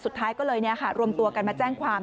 สุดท้ายก็เลยรวมตัวกันมาแจ้งความ